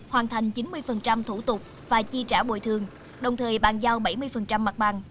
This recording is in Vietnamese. hoàn thành chín mươi thủ tục và chi trả bồi thương đồng thời ban giao bảy mươi mặt bằng